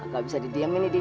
gak bisa didiamin nih dik